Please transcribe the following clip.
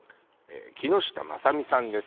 木下昌美さんです